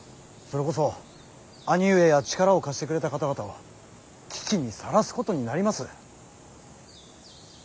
それこそ兄上や力を貸してくれた方々を危機にさらすことになります。